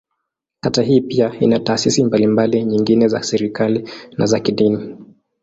Kata hii pia ina taasisi mbalimbali nyingine za serikali, na za kidini.